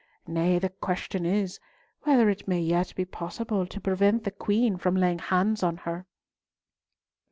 Nay, the question is, whether it may yet be possible to prevent the Queen from laying hands on her."